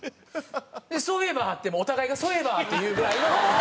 「そういえば」ってもうお互いが「そういえば」って言うぐらいの。